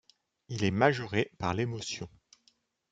Il est majoré par l'émotion.